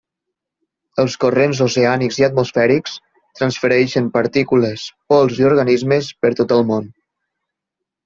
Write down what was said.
Els corrents oceànics i atmosfèrics transfereixen partícules, pols i organismes per tot el món.